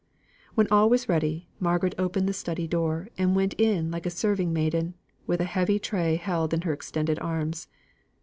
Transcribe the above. When all was ready, Margaret opened the study door, and went in like a serving maiden, with a heavy tray held in her extended arms.